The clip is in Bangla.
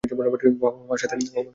বাবা-মা সাথে আসেনি?